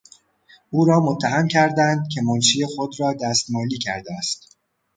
او را متهم کردند که منشی خود را دست مالی کرده است.